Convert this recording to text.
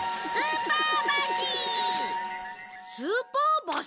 スーパー箸？